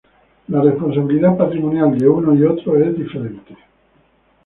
La responsabilidad patrimonial de unos y otros es diferente.